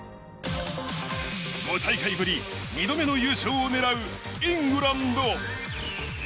５大会ぶり２度目の優勝を狙うイングランド。